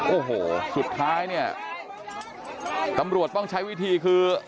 โอ้โหสุดท้ายเนี่ยตำรวจต้องใช้วิธีคือ